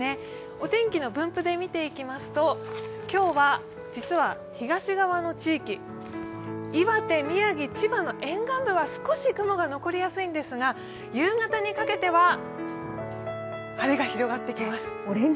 お天気の分布で見ていきますと今日は実は東側の地域、岩手、宮城、千葉の沿岸部は少し雲が残りやすいんですが、夕方にかけては晴れが広がってきます。